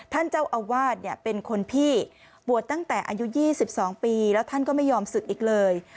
ท่านเจ้าอาวาสเนี่ยเป็นคนพี่บวชตั้งแต่อายุ๒๒ปีแล้วท่านก็ไม่ยอมศึกอีกเลย